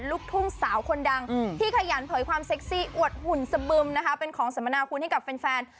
ลูกทุ่งสาวคนดังที่ขยันเผยความเซ็กซี่อวดหุ่นสบึมนะคะเป็นของสมนาคุณให้กับแฟน